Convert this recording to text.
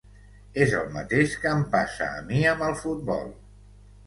És el mateix que em passa a mi amb el futbol.